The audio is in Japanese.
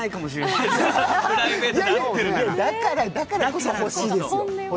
いやいや、だからこそ欲しいですよ。